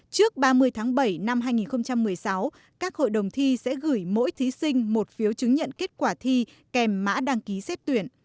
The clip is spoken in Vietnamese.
trước ba mươi tháng bảy năm hai nghìn một mươi sáu các hội đồng thi sẽ gửi mỗi thí sinh một phiếu chứng nhận kết quả thi kèm mã đăng ký xét tuyển